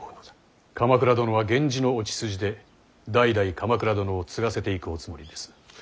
鎌倉殿は源氏のお血筋で代々鎌倉殿を継がせていくおつもりです。